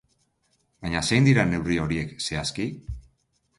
Baina zein dira neurri horiek zehazki?